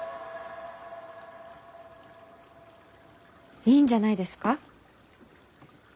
いいんじゃないですか？